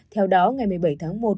theo đó ngày một mươi bảy tháng một